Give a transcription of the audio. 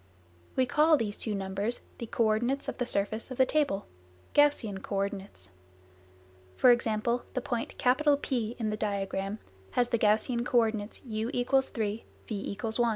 We call these two numbers the co ordinates of the surface of the table (Gaussian co ordinates). For example, the point P in the diagram has the Gaussian co ordinates u= 3, v= 1.